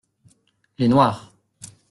Les noirs.